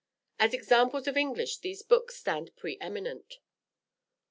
As examples of English these books stand preeminent.